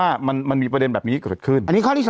อิมันมีประเด็นแบบนี้ก็จะขึ้น